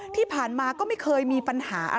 ที่ผ่านมาก็ไม่เคยมีปัญหา